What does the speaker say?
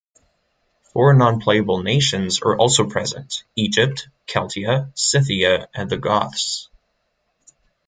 Four non-playable nations are also present: Egypt, Celtia, Scythia, and the Goths.